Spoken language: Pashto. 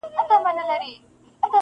نه دعا یې له عذابه سي ژغورلای-